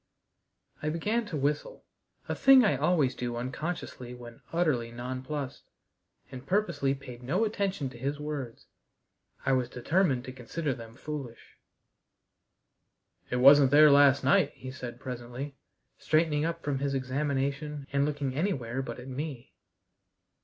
I began to whistle a thing I always do unconsciously when utterly nonplused and purposely paid no attention to his words. I was determined to consider them foolish. "It wasn't there last night," he said presently, straightening up from his examination and looking anywhere but at me.